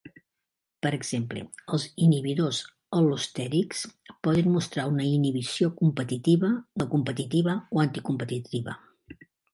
Per exemple, els inhibidors al·lostèrics poden mostrar una inhibició competitiva, no competitiva o anticompetitiva.